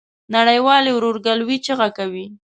نړۍ والي ورورګلوی چیغه کوي.